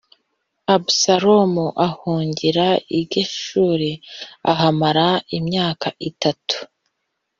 abusalomu ahungira i geshuri oahamara imyaka itatu